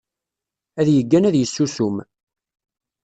Ad yeggan ad yessusum.